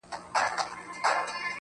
د ناروا زوی نه یم.